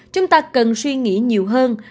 chúng ta cần suy nghĩ nhiều hơn